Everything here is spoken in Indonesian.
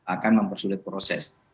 akan mempersulit proses